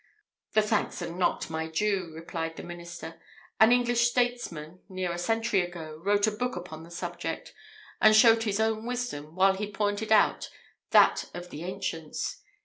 "The thanks are not my due," replied the minister; "an English statesman, near a century ago, wrote a book upon the subject; and showed his own wisdom, while he pointed out that of the ancients.